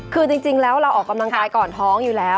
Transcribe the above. คือจริงแล้วเราออกกำลังกายก่อนท้องอยู่แล้ว